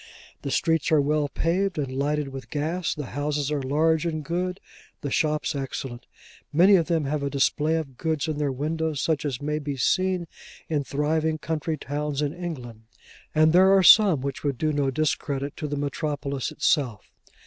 The streets are well paved, and lighted with gas; the houses are large and good; the shops excellent. Many of them have a display of goods in their windows, such as may be seen in thriving county towns in England; and there are some which would do no discredit to the metropolis itself.